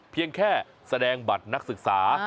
เพียงแค่แสดงบัตรนักศึกษา